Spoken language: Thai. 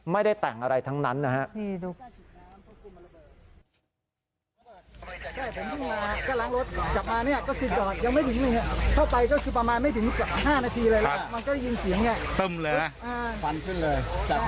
ไม่ได้แต่งอะไรทั้งนั้นนะครับ